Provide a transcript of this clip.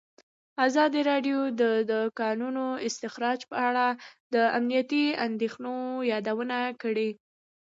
ازادي راډیو د د کانونو استخراج په اړه د امنیتي اندېښنو یادونه کړې.